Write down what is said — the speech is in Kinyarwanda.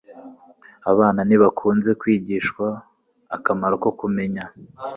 Abana ntibakunze kwigishwa akamaro ko kumenya